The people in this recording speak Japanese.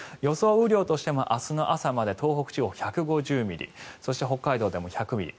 雨量としても明日の朝まで東北地方、１５０ミリそして北海道でも１００ミリ。